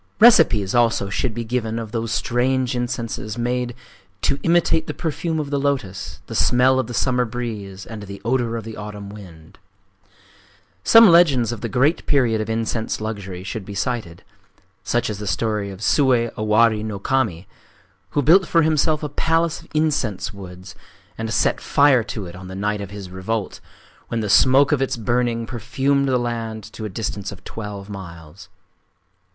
Recipes also should be given of those strange incenses made "to imitate the perfume of the lotos, the smell of the summer breeze, and the odor of the autumn wind." Some legends of the great period of incense luxury should be cited,—such as the story of Sué Owari no Kami, who built for himself a palace of incense woods, and set fire to it on the night of his revolt, when the smoke of its burning perfumed the land to a distance of twelve miles….